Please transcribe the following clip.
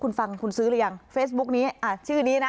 คุณฟังคุณซื้อหรือยังเฟซบุ๊กนี้ชื่อนี้นะ